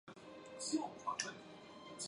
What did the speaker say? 全程为西至东单行线。